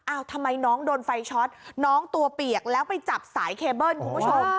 ทำไมน้องโดนไฟช็อตน้องตัวเปียกแล้วไปจับสายเคเบิ้ลคุณผู้ชม